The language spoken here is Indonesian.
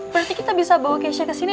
berarti kita bisa bawa keisha ke sini